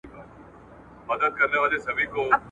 په جنت کي مي ساتلی بیرغ غواړم ,